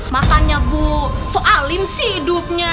makannya bu soalin sih hidupnya